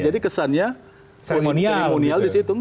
jadi kesannya seremonial di situ